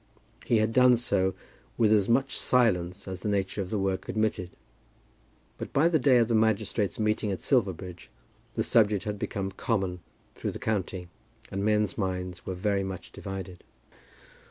He had done so with as much silence as the nature of the work admitted. But by the day of the magistrates' meeting at Silverbridge the subject had become common through the county, and men's minds were very much divided.